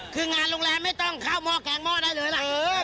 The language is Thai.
คืองานโรงแรมไม่ต้องเข้าหม้อแกงหม้อได้เลยล่ะ